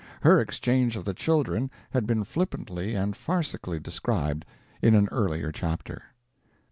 Her exchange of the children had been flippantly and farcically described in an earlier chapter.